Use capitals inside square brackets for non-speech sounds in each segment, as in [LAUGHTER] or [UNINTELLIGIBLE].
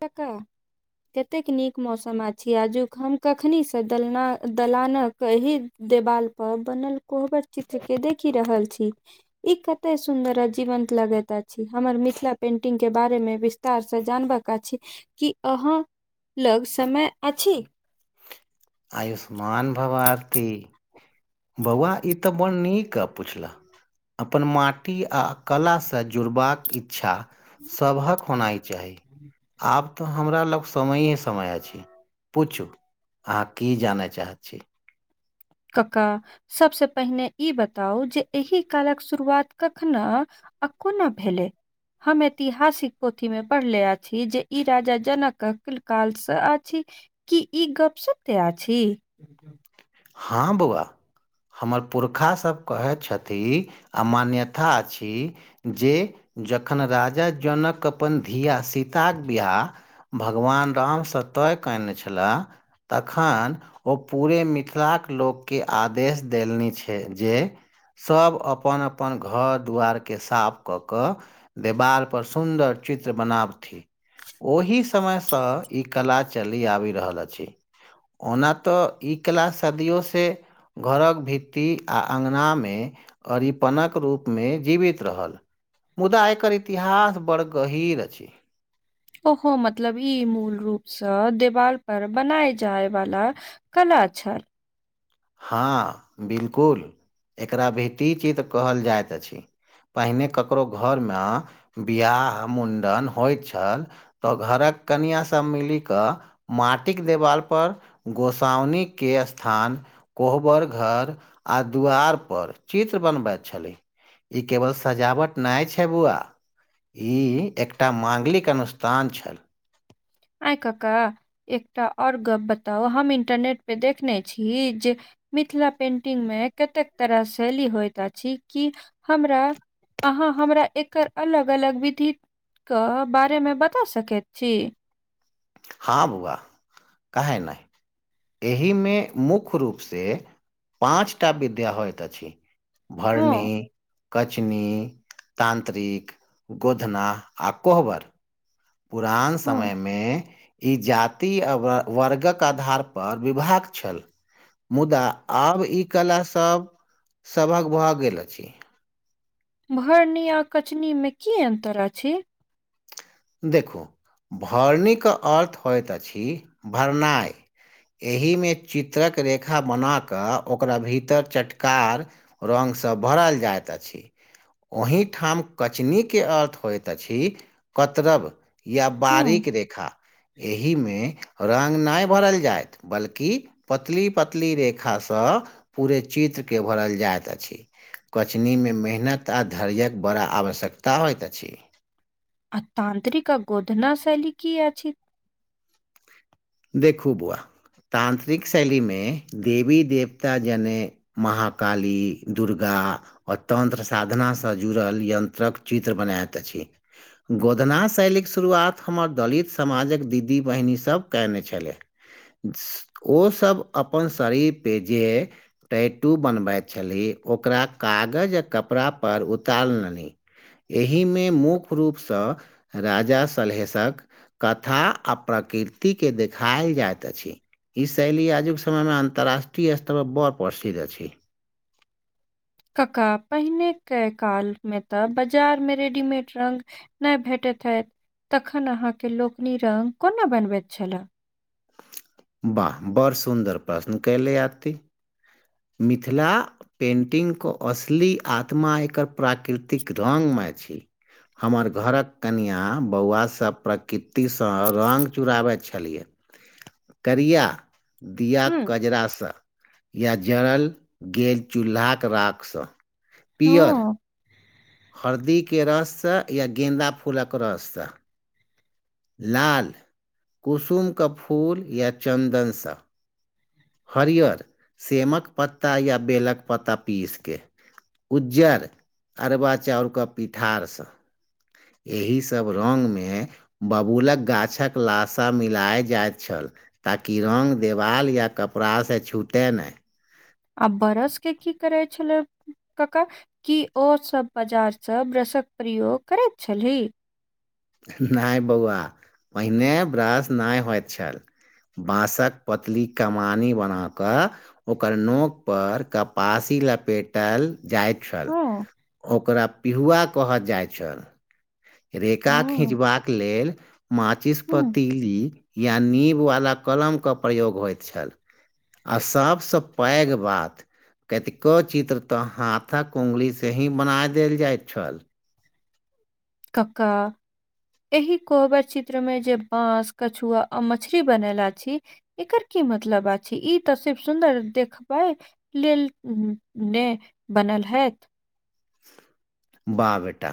टका कतेक नीक मौसम अछि आजुक हम कखनी सँ दलां दलानक अहि देवाल पर बनल कोहबर चित्र के देखि रहल छी ई कते सुन्दर आ जीवंत लगैत अछि‌। हमर मिथिला पेंटिंग के बारे में विस्तार से जानब अछि की अहाँ लग समय अछि आयुष्माान भव आरती बौआ इ त बड़ नीक गप पुछलह अपन माटी आ कला स जुड़बाक इच्छा सभहक होनाइ चाही आब तऽ हमरा लग समये समय अछि पुछु अहाँ की जानय चाहै छी कका सभसँ पहिने इ बताउ जे एहि कालक शुरुआत कखने आ कोना भेलै हम ऐतिहासिक पोथी मे पढ़ले अछि जे इ राजा जनक क काल से अछि की ई गप सत्य तैयार अछि हाँ बौआ हमर पुरखा सब कहै छथि आ मान्यता अछि जे जखन राजा जनक अपन धिया सीताक बियाह भगवान रामसँ तय कयने छलाह तखन ओ पूरे मिथिला के लोक के आदेश देलनि छैय जे सभ अपन अपन घर दुआर के साफ कऽ क देवाल पर सुन्दर चित्र बनाबथि ओहि स समय से इ कला चलि आबि रहल अछि। ओना तऽ इ कला सदियो से घरक भित्ति आ अगना मे अरिपनक रूप मे जीवित रहल मुदा एकर इतिहास बड़ गहीर अछि ओहो मतलब इ मूल रूप से देवाल पर बनाय जायवला कला छै हँ बिल्कुल एकरा भिती चित्र कहल जाइत अछि पहिने ककरो घर मे बियाह मुण्डन होइ छल ओ घरक कनियाँ सब मिलि कऽ माटिक देवाल पर गोसााउनी के स्थान कोहबर घर आ दुवार पर चित्र बनबैत छलै ई केवल सजावट नहि छै बौआ ई एकटा माङ्गलिक अनुष्ठान छल आइ कका एकटा आओर गप बताउ हम इंटरनेट पे देखने छी जे मिथिला पेन्टिंगमे कतेक तरह शैली होइत अछि कि हमरा अहाँ हमरा एकर अलग अलग विधित के बारेमे बता सकैत अछि हँ बुआ कहै नहि एहि मे मुख्य रूप से पाँच टा विद्या होइत अछि भरणी हँ कचनी तान्तत्रिक गोधना आ कोहबर पुरान हँ समय मे ई जाति आ वर्गक आधार पर विभाग छल मुदा आब ई कला सभ सभक भऽ गेल छै भरनीया कचनी मे की अन्तर अछि देखू भरनीके अर्थ होइत अछि भरनाइ एहिमे चित्रक रेखा बना कऽ ओकरा भीतर चटकार रगसँ भरल जाइत अछि ओहिठाम कचनीके अर्थ होइत अछि कतरब या हँ बारीक रेखा एहिमे रंग नहि भरल जायइत बल्कि पतली पतली रेखासँ पूरे चित्रके भरल जाइत अछि कचनीमे मेहनत आ धैर्यक बड़ा आवश्यकता होइत अछि आ तांत्रिक आ गोधना शैली की अछि देखू बौआ तांत्रिक शैलीमे देवी देवता जने महाकाली दुर्गा आ तन्त्र साधनासँ जुड़ल यन्त्रक चित्र बनायैत अछि गोधना शैलीके शुरुआत हमर दलित समाजक दीदी बहिनी सभ कने छले ओ सब अपन शरीर पे जे टेटू बनबैत छली ओकरा कागज आ कपड़ापर उतार लेलनि एहिमे मुख्य रूपसँ राजा सलहेशक कथा आ प्रकृतिक के देखायल जाइत अछि ई शैली आजुक समय मे अंतर्राष्ट्रीय स्तर पर बड़ प्रसिद्ध अछि काका पहिने के काल मे तऽ बाजार में रेडीमेड रंग नय भेटैत हात तखन अहाँके लोक निरंक कोना बनबैत छला वाह बड़ सुन्दर प्रश्न कैले आरती मिथिला पेन्टिं क असली आत्मा एकर प्राकृतिक रग मे छै हमर घरक कनिआँ बौआ सब प्रकृतिसँ रग चुराबैत छलियै करिया दिया हुं। कजरासँ या जड़ल गेल चूल्हाक राखसँ पियर हँ। हरदी के रस या गेन्दा फूलक रसदार स लाल कुसुमक फूल या चन्दनसँ हरियर सेमक पत्ता या बेलक पत्ता पीसि केऽ उज्जर अरबा चाउरके पिठारसँ एहिसब रग मे बबूलक गाछक लाशा मिलाए जाइत छल। ताकि रग देवाल या कपड़ासे छूटय नय। आ बरस के की करै छले। कक्का की ओ सब बाजारसँ ब्रसक प्रयोग करैत छलीह। नै बौआ पहिने ब्रश नय होइत छल बाँसक पतली कमानी बना कऽ ओकर नोक पर कपासी लपेटल जाइत छल हँ। ओकरा पिहुआ कहल जाइ छल रेखा हँ। खीचबाक लेल हुं। माचिस्पतिल ई या नीबवला कलमके प्रयोग होइत छल। आ सभसँ पैघ बात। कतिको चित्र तऽ हाथक उंगली से ही बना देल जायत छल। कका। एहि कोहबर चित्र मे जे बांस कछुआ आ मछरी बनैला छी। एकर की मतलबा ई तऽ सिर्फ सुन्दर देखबै। लेल ने बनल हाएथ बा बेटा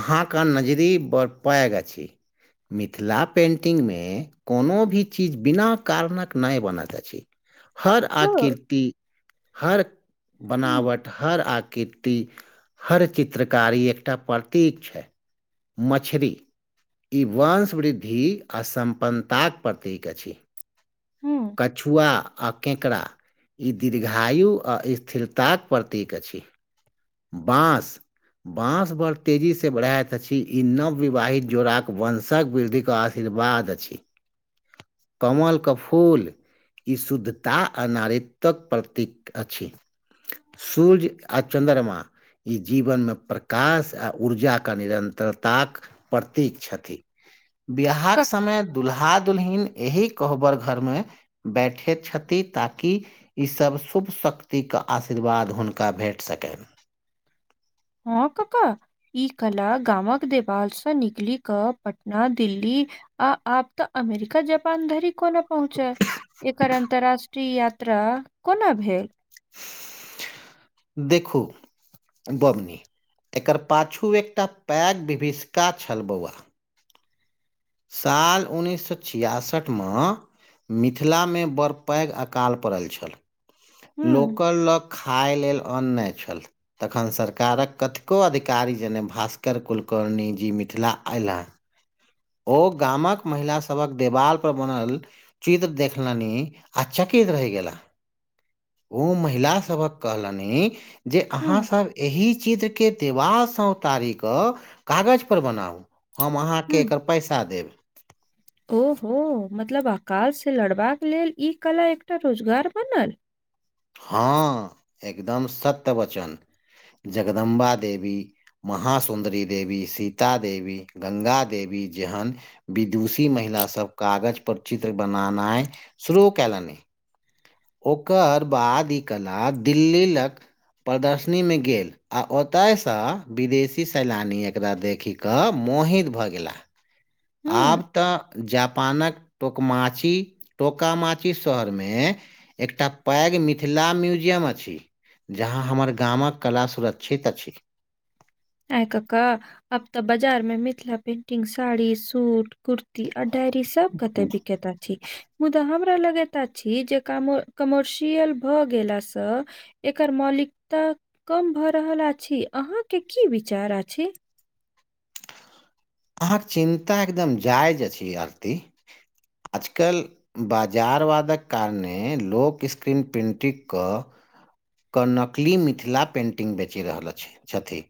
अहाॅंके नजरी बड़ पैघ अछि। मिथिला पेन्टिंगमे। कोनो भी चीज बिना कारणक नय बनैत अछि। हर हँ। आकृति हर हम्म बनावट हर आकृति। हर चित्रकारी एकटा प्रतीक छै मछरी। ई वंशवृद्धि आ सम्पन्नताक प्रतीक अछि। हूँ। कछुआ आ केकरा। ई दीर्घा आयु आ ईस्थिरताक प्रतीक अछि बाँस। बाँस बड़ तेजीसे बढ़ैत अछि ई नवविवाहित जोड़ाक वंशंक वृद्धि। शीर्वाद अछि कमल के फूल। फूल ई शुद्धता आ नारत्वक प्रतीक अछि। सुर्य आ चन्द्रमा। ई जीवनमे प्रकाश आ ऊर्जाके निरन्तरताक। प्रतीक छथि बिहाक कक समय दुल्हा दुुलहिन एहि कहबर। घर मे बैठे छति ताकि। ईसभ शुभ शक्तिक आशीर्वाद हुनका भेट सकै। हँ कक्का। ई कला गामक देवालसँ निकलि कऽ पटना दिल्ली। आ आब तऽ अमेरिका जपान धरी कोन। पहुँचय एकर अंतरराष्ट्रीय यात्रा कोना भेल। देखू। बबुनी एकर पाछू एकटा पैग विभीषका छल बौआ। साल उन्नैस सए छियासठि मे। मिथिला मे बड़ पैघ अकाल पड़ल छल हम्म लोक लक। खाइ लेल अन नई छल। तखन सरकारक कथको अधिकारी जने भास्कर कुलकर्णीजी मिथिला अयला। ओ गामक महिलासभक देवालपर बनल। चित्र देखलनी आ चकित रहि गेला। ओ महिला सभक कहलनि जे हम्म अहाँसब एहि चित्र। के देबासँ उतारी कऽ कागज पर बनाउ हम अहाँके एकर [UNINTELLIGIBLE] देब। ओ हो मतलब अकाल से लड़बाक लेल ई कला एकटा रोजगार बनल। हँ एकदम सत्य बचन जगदम्बा देवी महा सुुन्दरी देवी सीता देवी गंगा देवी जहन विदुषी महिलास सब कागज पर चित्र बनेनाइ शुरू कयलनि ओकर बाद ई कला दिल्ली लक प्रदर्शनी मे गेल आ ओतयसँ विदेशी सैलानी एकरा देखि कऽ मोहित भऽ गेलाह हम्म आब तऽ जापानक टोकमाची टोकामाची शहर मे एकटा पैघ मिथिला म्यूजियम अछि। जहाँ हमर गामक कला सुरक्षित अछि। आइ कका आब तऽ बाजार मे मिथिला पेंटिंग साड़ी सूट कुर्ती आ डायरी सब कते बिकेत अछी। मुदा हमरा लगैत अछी जे कम कमर्शियल भए गेलासँ एकर मौलिकता कम भऽ रहल अछि अहाँके की विचार अछि अहाँके चिन्ता एकदम जायज अछि आरती आजकल बाजारवादक कारणे लोक स्क्रीन प्रिंटिंगक क नकली मिथिला पेन्टिंग बेचि रहल अछि छथि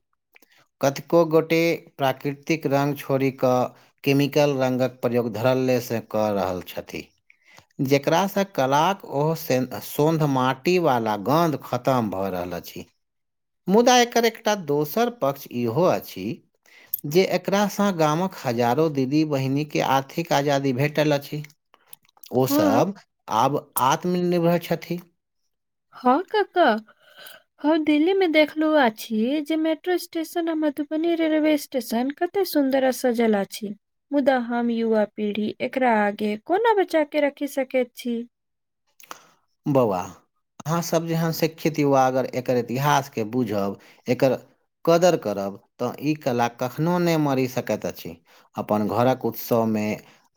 कतको गोटे प्राकृतिक रंग छोड़ि कऽ केमिकल रङ्गक प्रयोग धरले से कऽ रहल छथि जेकरासँ कलाक ओ सोध माटीवला गन्ध खतम भऽ रहल अछि मुदा एकर एकटा दोसर पक्ष इहो अछि जे एकरासँ गामक हजारो दीदी बहिनीके आर्थिक आजादी भेटल अछि ओ हँ सब आब आत्मनिर्भर छथि हँ कका हँ दिल्ली मे देखलु अछि जे मेट्रो स्टेशन मधुबनी रेलवे स् स्टेशन कते सुन्दर आ सजल अछी मुदा हम युवा पीढ़ी एकरा आगे कोना बचा के रखि सकैत छी बौवा अहाँसब जेहन शिक्षित युवा अगर एकर इतिहासके बुझब एकर कदर करब तऽ ई कला कखनो नय मरि सकैत अछि अपन घरक उत्सवमे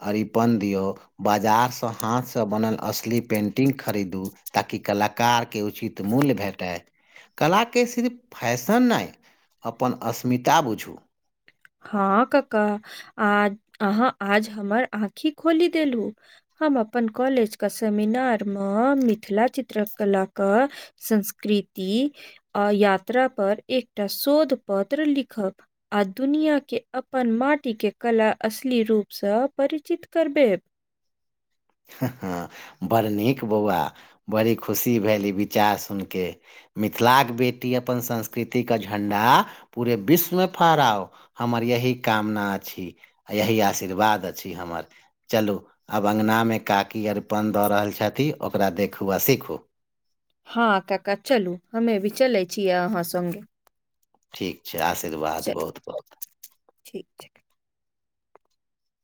अरिपन दियौ बाजारसँ हाथसँ बनल असली पेन्टिंग खरीदू ताकि कलाकार के उचित मूल्य भेटैय कलाके सिर्फ फैशन नै अपन असमिता बुझू हँ काका आज अहाँ आज हमर आँखि खोलि देलु हम अपन कॉलेज क सेमिनार मे मिथिला चित्रकलाक संस्कृति आ यात्रा पर एकटा शोध पत्र लिखब आ दुनिया के अपन माटिके कला असली रूपसँ परिचित करबे हँ हँ बड़ नीक बौआ बड़ी खुशी भेल ई विचार सुनि के मिथिलाक बेटी अपन संस्कृतिके झण्डा पूरे विश्वमे फहराउ हमर यही कामना अछि यही आशीर्वाद अछि हमर चलू आब अंगना मे काकी अरिपन दऽ रहल छथि ओकरा देखू आ सीखू हँ काका चलू हमे भी चले छियै अहाँ संगे ठीक छै आशीर्वाद चल बहुत बहुत ठीक ठीक